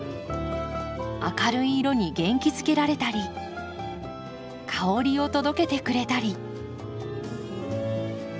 明るい色に元気づけられたり香りを届けてくれたり。